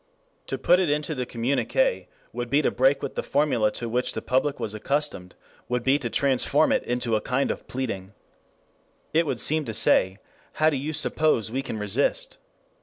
To put it into the communiqué would be to break with the formula to which the public was accustomed, would be to transform it into a kind of pleading. It would seem to say: 'How do you suppose we can resist?'